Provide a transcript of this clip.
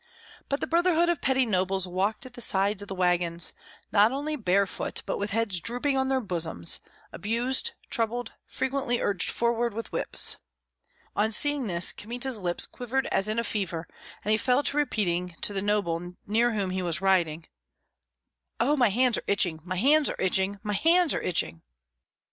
But the brotherhood of petty nobles walked at the side of the wagons, not only barefooted, but with heads drooping on their bosoms, abused, troubled, frequently urged forward with whips. On seeing this, Kmita's lips quivered as in a fever, and he fell to repeating to the noble near whom he was riding, "Oh, my hands are itching, my hands are itching, my hands are itching!"